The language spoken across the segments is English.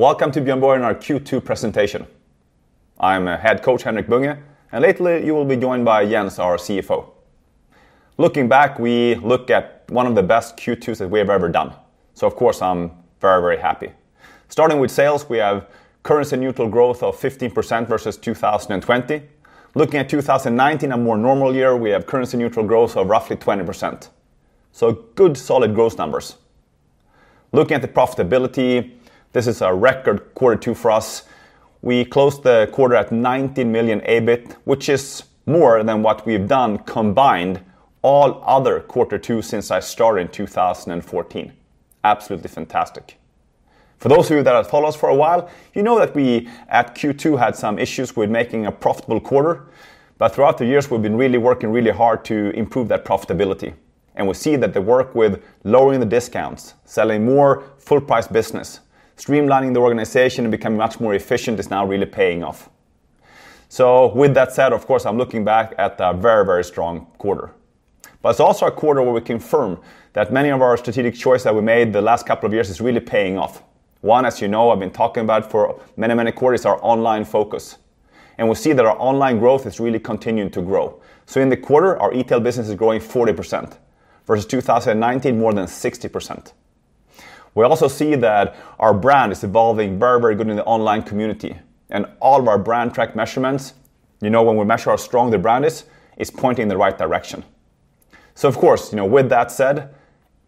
Welcome to Björn Borg, our Q2 presentation. I'm Head Coach Henrik Bunge, and later you will be joined by Jens, our CFO. Looking back, we look at one of the best Q2s that we have ever done. So, of course, I'm very, very happy. Starting with sales, we have currency-neutral growth of 15% versus 2020. Looking at 2019, a more normal year, we have currency-neutral growth of roughly 20%. So, good solid growth numbers. Looking at the profitability, this is a record Q2 for us. We closed the quarter at 19 million SEK EBIT, which is more than what we've done combined all other Q2s since I started in 2014. Absolutely fantastic. For those of you that have followed us for a while, you know that we at Q2 had some issues with making a profitable quarter. But throughout the years, we've been really working really hard to improve that profitability. And we see that the work with lowering the discounts, selling more full-price business, streamlining the organization, and becoming much more efficient is now really paying off. So, with that said, of course, I'm looking back at a very, very strong quarter. But it's also a quarter where we confirm that many of our strategic choices that we made the last couple of years are really paying off. One, as you know, I've been talking about for many, many quarters, is our online focus. And we see that our online growth is really continuing to grow. So, in the quarter, our retail business is growing 40% versus 2019, more than 60%. We also see that our brand is evolving very, very good in the online community. And all of our brand track measurements, you know, when we measure how strong the brand is, are pointing in the right direction. So, of course, you know, with that said,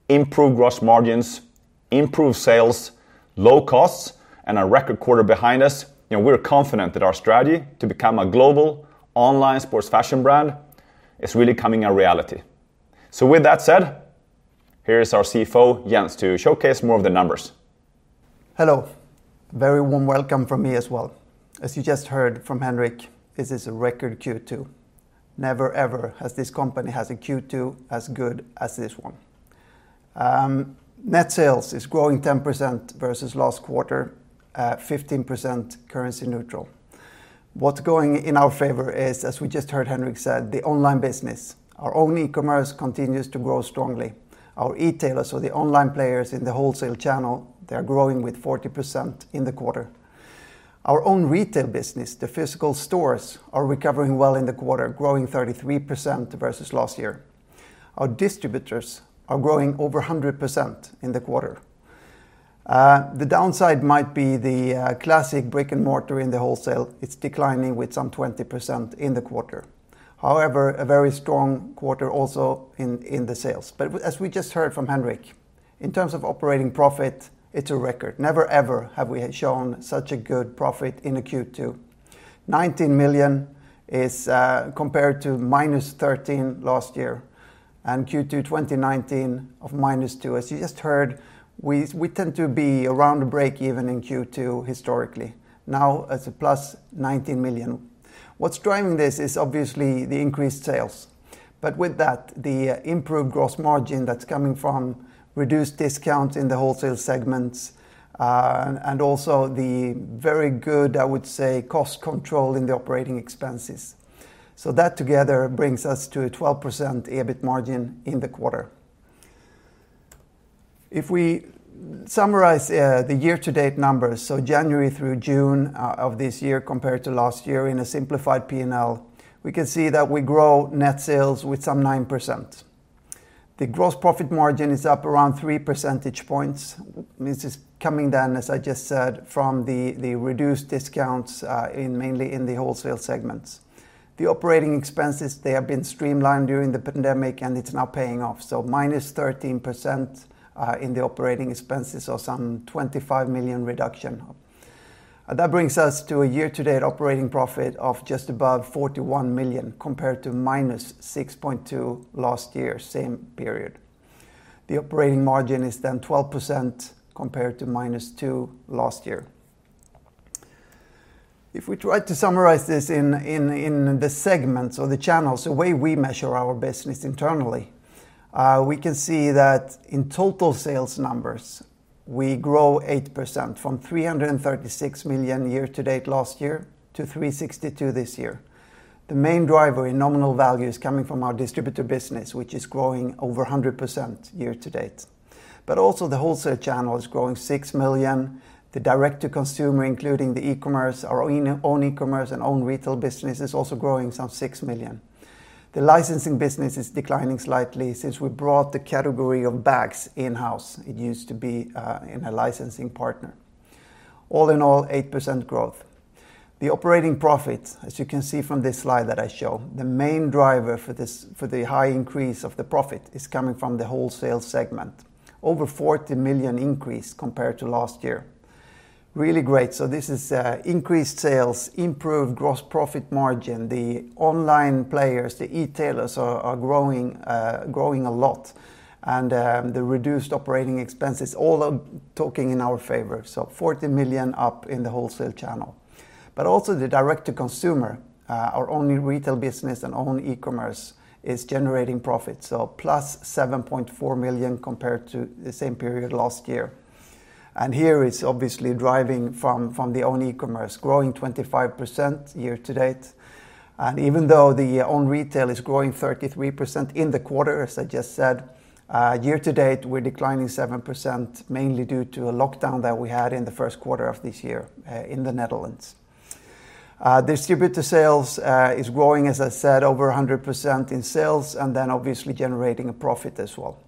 improved gross margins, improved sales, low costs, and a record quarter behind us, you know, we're confident that our strategy to become a global online sports fashion brand is really coming to reality. So, with that said, here is our CFO, Jens, to showcase more of the numbers. Hello. Very warm welcome from me as well. As you just heard from Henrik, this is a record Q2. Never, ever has this company had a Q2 as good as this one. Net sales is growing 10% versus last quarter, 15% currency-neutral. What's going in our favor is, as we just heard Henrik said, the online business. Our own e-commerce continues to grow strongly. Our retailers, so the online players in the wholesale channel, they're growing with 40% in the quarter. Our own retail business, the physical stores, are recovering well in the quarter, growing 33% versus last year. Our distributors are growing over 100% in the quarter. The downside might be the classic brick and mortar in the wholesale. It's declining with some 20% in the quarter. However, a very strong quarter also in the sales. But as we just heard from Henrik, in terms of operating profit, it's a record. Never, ever have we shown such a good profit in a Q2. 19 million is compared to -13 million last year. And Q2 2019 of -2 million. As you just heard, we tend to be around the break-even in Q2 historically. Now it's a +19 million. What's driving this is obviously the increased sales. But with that, the improved gross margin that's coming from reduced discounts in the wholesale segments, and also the very good, I would say, cost control in the operating expenses. So that together brings us to a 12% EBIT margin in the quarter. If we summarize the year-to-date numbers, so January through June of this year compared to last year in a simplified P&L, we can see that we grow net sales with some 9%.The gross profit margin is up around 3 percentage points. This is coming then, as I just said, from the reduced discounts mainly in the wholesale segments. The operating expenses, they have been streamlined during the pandemic, and it's now paying off, so -13% in the operating expenses, or some 25 million reduction. That brings us to a year-to-date operating profit of just above 41 million compared to -6.2 million last year, same period. The operating margin is then 12% compared to -2% last year. If we try to summarize this in the segments or the channels, the way we measure our business internally, we can see that in total sales numbers, we grow 8% from 336 million year-to-date last year to 362 million this year. The main driver in nominal value is coming from our distributor business, which is growing over 100% year-to-date. But also the wholesale channel is growing 6 million. The direct-to-consumer, including the e-commerce, our own e-commerce and own retail business, is also growing some 6 million. The licensing business is declining slightly since we brought the category of bags in-house. It used to be in a licensing partner. All in all, 8% growth. The operating profit, as you can see from this slide that I show, the main driver for the high increase of the profit is coming from the wholesale segment. Over 40 million increase compared to last year. Really great. So this is increased sales, improved gross profit margin. The online players, the retailers are growing a lot. And the reduced operating expenses all are talking in our favor. So 40 million up in the wholesale channel. But also the direct-to-consumer, our own retail business and own e-commerce is generating profits. So +7.4 million compared to the same period last year. And here is obviously driving from the own e-commerce, growing 25% year-to-date. And even though the own retail is growing 33% in the quarter, as I just said, year-to-date we're declining 7% mainly due to a lockdown that we had in the first quarter of this year in the Netherlands. Distributor sales is growing, as I said, over 100% in sales, and then obviously generating a profit as well.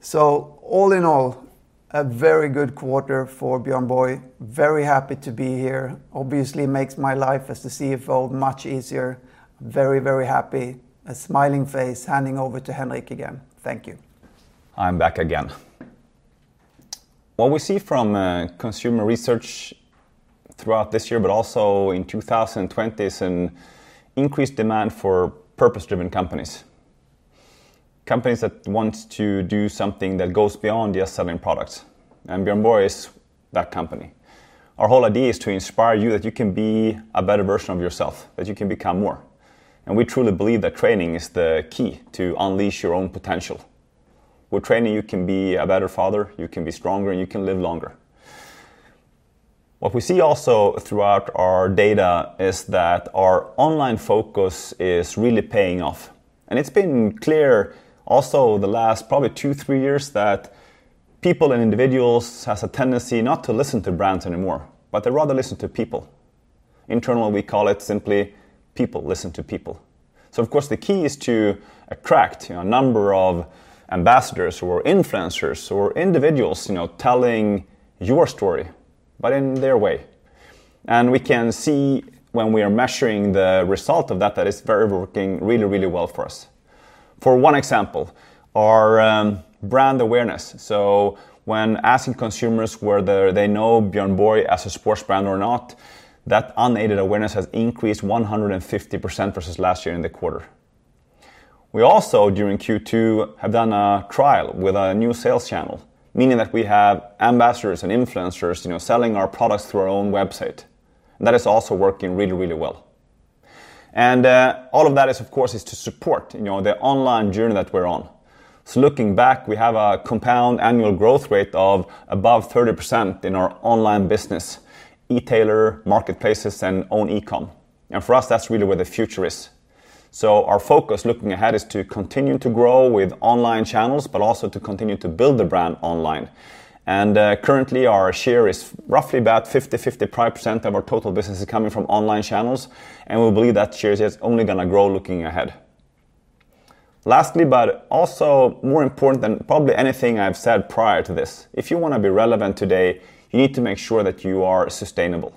So all in all, a very good quarter for Björn Borg. Very happy to be here. Obviously makes my life as the CFO much easier. Very, very happy. A smiling face handing over to Henrik again. Thank you. I'm back again. What we see from consumer research throughout this year, but also in 2020, is an increased demand for purpose-driven companies. Companies that want to do something that goes beyond just selling products. And Björn Borg is that company. Our whole idea is to inspire you that you can be a better version of yourself, that you can become more. And we truly believe that training is the key to unleash your own potential. With training, you can be a better father, you can be stronger, and you can live longer. What we see also throughout our data is that our online focus is really paying off. And it's been clear also the last probably two, three years that people and individuals have a tendency not to listen to brands anymore, but they rather listen to people. Internally, we call it simply people listen to people. Of course, the key is to attract a number of ambassadors or influencers or individuals telling your story, but in their way. And we can see when we are measuring the result of that that it's very working really, really well for us. For one example, our brand awareness. When asking consumers whether they know Björn Borg as a sports brand or not, that unaided awareness has increased 150% versus last year in the quarter. We also, during Q2, have done a trial with a new sales channel, meaning that we have ambassadors and influencers selling our products through our own website. That is also working really, really well. And all of that is, of course, to support the online journey that we're on. Looking back, we have a compound annual growth rate of above 30% in our online business, retailer, marketplaces, and own e-com. And for us, that's really where the future is. So our focus looking ahead is to continue to grow with online channels, but also to continue to build the brand online. And currently, our share is roughly about 50%-55% of our total business is coming from online channels. And we believe that share is only going to grow looking ahead. Lastly, but also more important than probably anything I've said prior to this, if you want to be relevant today, you need to make sure that you are sustainable.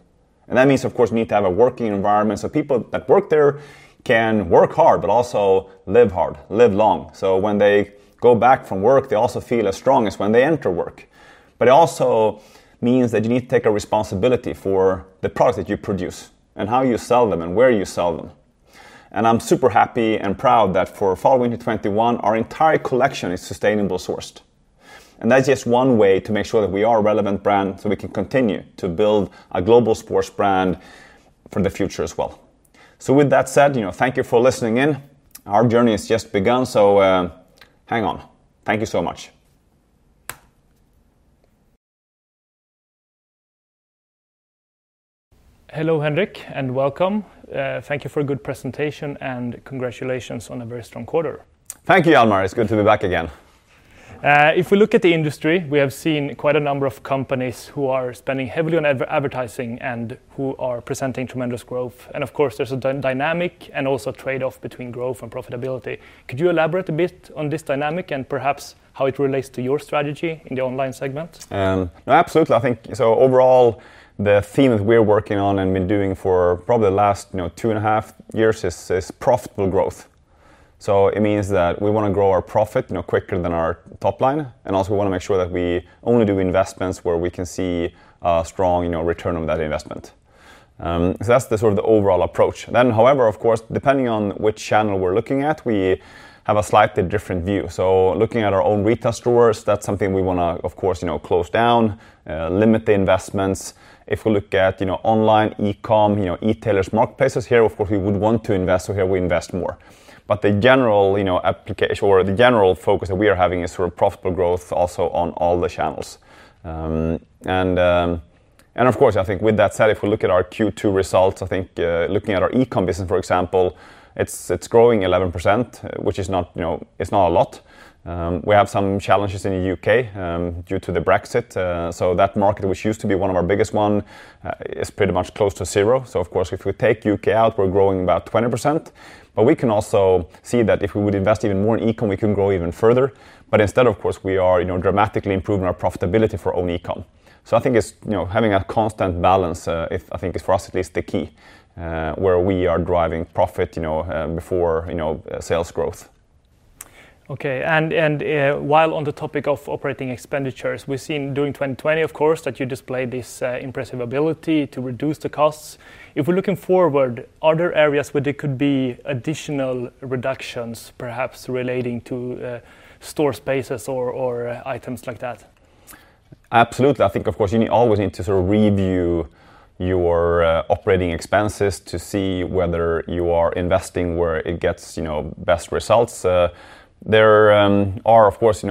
And that means, of course, you need to have a working environment so people that work there can work hard, but also live hard, live long. So when they go back from work, they also feel as strong as when they enter work. But it also means that you need to take a responsibility for the products that you produce and how you sell them and where you sell them. And I'm super happy and proud that for FY 2021, our entire collection is sustainably sourced. And that's just one way to make sure that we are a relevant brand so we can continue to build a global sports brand for the future as well. So with that said, thank you for listening in. Our journey has just begun. So hang on. Thank you so much. Hello, Henrik, and welcome. Thank you for a good presentation and congratulations on a very strong quarter. Thank you, Jalmari. It's good to be back again. If we look at the industry, we have seen quite a number of companies who are spending heavily on advertising and who are presenting tremendous growth. And of course, there's a dynamic and also a trade-off between growth and profitability. Could you elaborate a bit on this dynamic and perhaps how it relates to your strategy in the online segment? No, absolutely. I think so overall, the theme that we're working on and been doing for probably the last two and a half years is profitable growth. So it means that we want to grow our profit quicker than our top line. And also, we want to make sure that we only do investments where we can see a strong return on that investment. So that's the sort of the overall approach. Then, however, of course, depending on which channel we're looking at, we have a slightly different view. So looking at our own retail stores, that's something we want to, of course, close down, limit the investments. If we look at online e-com, retailers, marketplaces here, of course, we would want to invest. So here we invest more. But the general focus that we are having is sort of profitable growth also on all the channels. Of course, I think with that said, if we look at our Q2 results, I think looking at our e-com business, for example, it's growing 11%, which is not a lot. We have some challenges in the U.K. due to the Brexit. So that market, which used to be one of our biggest ones, is pretty much close to zero. So of course, if we take U.K. out, we're growing about 20%. But we can also see that if we would invest even more in e-com, we can grow even further. But instead, of course, we are dramatically improving our profitability for own e-com. So I think having a constant balance, I think, is for us at least the key where we are driving profit before sales growth. Okay. And while on the topic of operating expenditures, we've seen during 2020, of course, that you displayed this impressive ability to reduce the costs. If we're looking forward, are there areas where there could be additional reductions, perhaps relating to store spaces or items like that? Absolutely. I think, of course, you always need to sort of review your operating expenses to see whether you are investing where it gets best results. There are, of course,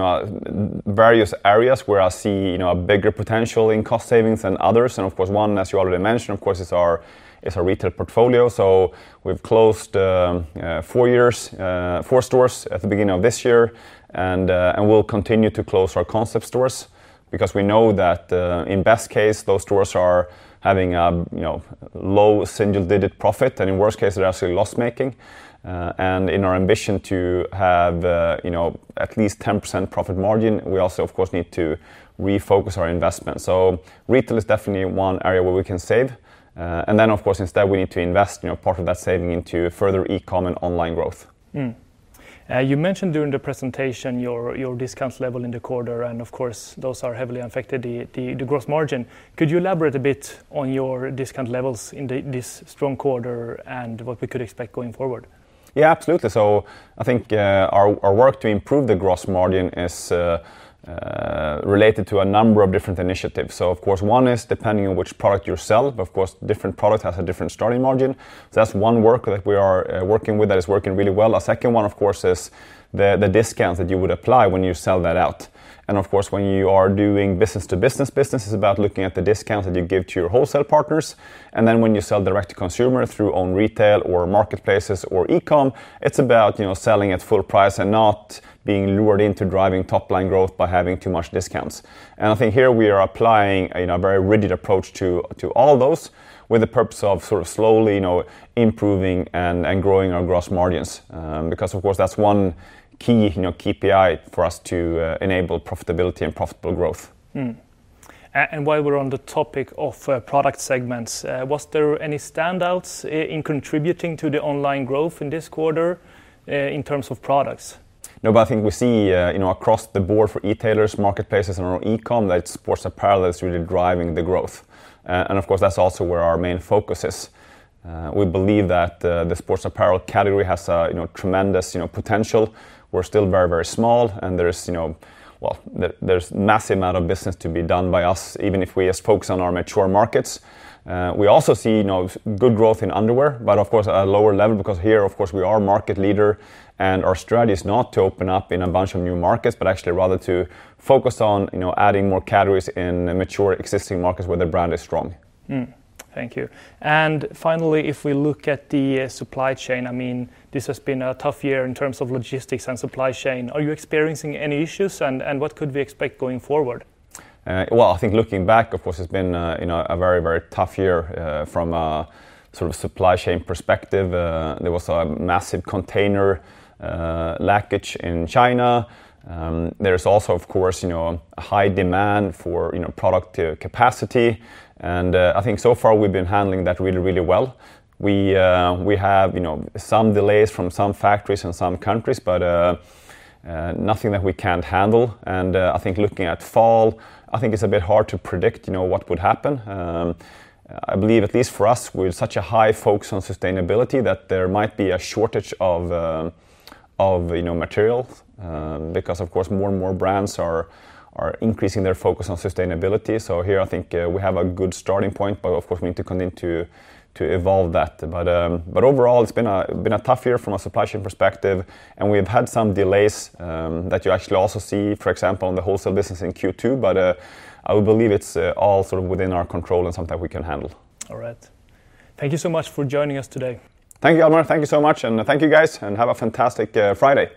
various areas where I see a bigger potential in cost savings than others. And of course, one, as you already mentioned, of course, is our retail portfolio. So we've closed four stores at the beginning of this year. And we'll continue to close our concept stores because we know that in best case, those stores are having a low single-digit profit. And in worst case, they're actually loss-making. And in our ambition to have at least 10% profit margin, we also, of course, need to refocus our investment. So retail is definitely one area where we can save. And then, of course, instead, we need to invest part of that saving into further e-com and online growth. You mentioned during the presentation your discount level in the quarter. And of course, those are heavily affected, the gross margin. Could you elaborate a bit on your discount levels in this strong quarter and what we could expect going forward? Yeah, absolutely. So I think our work to improve the gross margin is related to a number of different initiatives. So of course, one is depending on which product you sell. But of course, different products have a different starting margin. So that's one work that we are working with that is working really well. A second one, of course, is the discount that you would apply when you sell that out. And of course, when you are doing business-to-business, business is about looking at the discounts that you give to your wholesale partners. And then when you sell direct-to-consumer through own retail or marketplaces or e-com, it's about selling at full price and not being lured into driving top-line growth by having too much discounts.I think here we are applying a very rigid approach to all those with the purpose of sort of slowly improving and growing our gross margins. Because, of course, that's one key KPI for us to enable profitability and profitable growth. While we're on the topic of product segments, was there any standouts in contributing to the online growth in this quarter in terms of products? No, but I think we see across the board for retailers, marketplaces, and our e-com that sports apparel is really driving the growth. And of course, that's also where our main focus is. We believe that the sports apparel category has tremendous potential. We're still very, very small. And there's a massive amount of business to be done by us, even if we just focus on our mature markets. We also see good growth in underwear, but of course, at a lower level because here, of course, we are a market leader. And our strategy is not to open up in a bunch of new markets, but actually rather to focus on adding more categories in mature existing markets where the brand is strong. Thank you. And finally, if we look at the supply chain, I mean, this has been a tough year in terms of logistics and supply chain. Are you experiencing any issues? And what could we expect going forward? I think looking back, of course, it's been a very, very tough year from a sort of supply chain perspective. There was a massive container leakage in China. There's also, of course, a high demand for product capacity. I think so far we've been handling that really, really well. We have some delays from some factories and some countries, but nothing that we can't handle. I think looking at fall, I think it's a bit hard to predict what would happen. I believe, at least for us, with such a high focus on sustainability that there might be a shortage of material because, of course, more and more brands are increasing their focus on sustainability. Here, I think we have a good starting point. Of course, we need to continue to evolve that. Overall, it's been a tough year from a supply chain perspective. We've had some delays that you actually also see, for example, in the wholesale business in Q2. I would believe it's all sort of within our control and something we can handle. All right. Thank you so much for joining us today. Thank you, Jalmari. Thank you so much. And thank you, guys. And have a fantastic Friday.